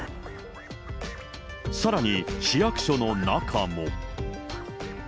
さらに、市役所の中も。